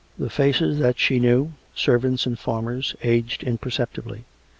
The faces that she knew, servants and farmers, aged imperceptibly.